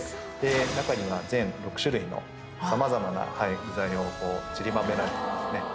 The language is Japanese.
中には全６種類の様々な具材をちりばめられていますね。